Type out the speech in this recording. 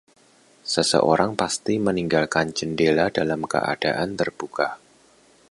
Seseorang pasti meninggalkan jendela dalam keadaan terbuka.